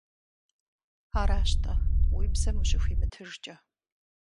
Аращ-тӀэ, уи бзэм ущыхуимытыжкӀэ.